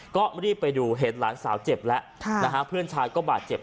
ก็รีบไปดูเห็นหลานสาวเจ็บแล้วนะฮะเพื่อนชายก็บาดเจ็บ